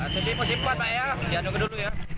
tadi musim empat ayah jangan nunggu dulu ya